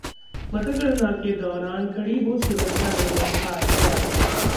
मतगणना के दौरान कड़ी हो सुरक्षा व्यवस्था: जया